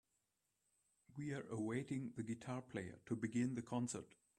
We were awaiting the guitar player to begin the concert.